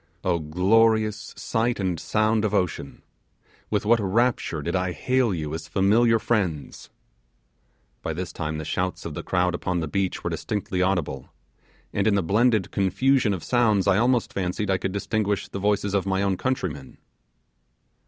Oh glorious sight and sound of ocean! with what rapture did I hail you as familiar friends! By this time the shouts of the crowd upon the beach were distinctly audible, and in the blended confusion of sounds I almost fancied I could distinguish the voices of my own countrymen.